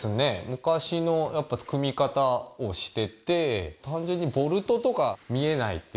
昔の組み方をしてて単純にボルトとか見えないっていう。